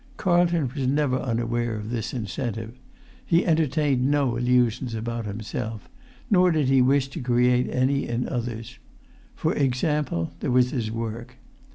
Carlton was never unaware of this incentive. He entertained no illusions about himself, nor did he wish to create any in others. For example, there was his work.